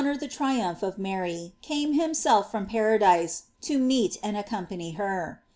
499 or the triumph of Mary, came himself from paradise to meet and accompany her.